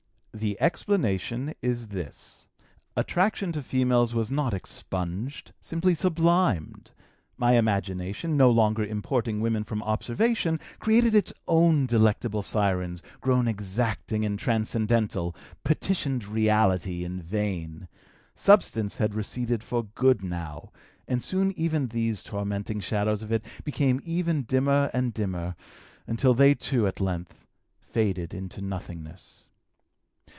The explanation is this: attraction to females was not expunged, simply sublimed; my imagination, no longer importing women from observation, created its own delectable sirens, grown exacting and transcendental, petitioned reality in vain. Substance had receded for good now, and soon even these tormenting shadows of it became ever dimmer and dimmer, until they too at length faded into nothingness.